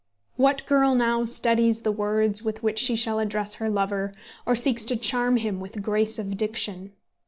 What girl now studies the words with which she shall address her lover, or seeks to charm him with grace of diction?